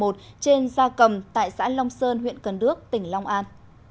trên gia cầm tại xã long sơn huyện cần đước tỉnh long an